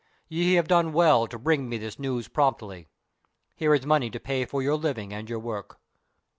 Ye have done well to bring me this news promptly. Here is money to pay for your living and your work.